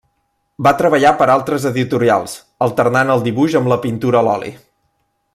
Va treballar per altres editorials, alternant el dibuix amb la pintura a l'oli.